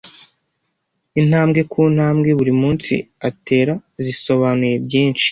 intambwe ku ntambwe buri munsi atera zisobanuye byinshi